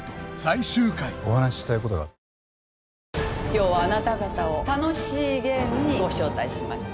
今日はあなた方を楽しいゲームにご招待しました。